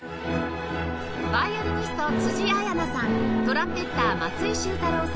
ヴァイオリニスト辻彩奈さんトランペッター松井秀太郎さん